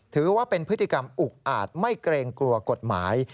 ถือว่าเป็นพฤติกรรมอุกอาจไม่เกรงกลัวกฎหมาย